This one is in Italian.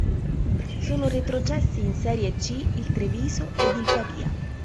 Sono retrocessi in Serie C il Treviso ed il Pavia.